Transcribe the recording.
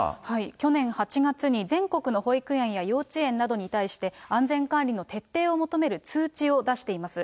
去年８月に、全国の保育園や幼稚園などに対し、安全管理の徹底を求める通知を出しています。